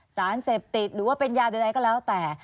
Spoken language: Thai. สารเสพติดหรือว่าเป็นยาใดก็แล้วแต่